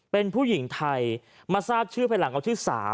เป็นผู้หญิงไทยมาทราบชื่อภายหลังเอาที่๓